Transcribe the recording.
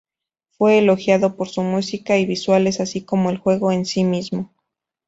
Fue elogiado por su música y visuales, así como el juego en sí mismo.